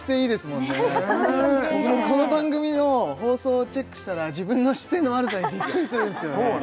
僕もうこの番組の放送をチェックしたら自分の姿勢の悪さにびっくりするんですよね